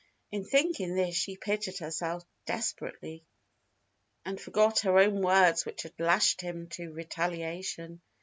In thinking this, she pitied herself desperately, and forgot her own words which had lashed him to retaliation.